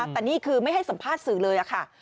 แต่นี่คือไม่ให้สัมภาษณ์สื่อเลยค่ะ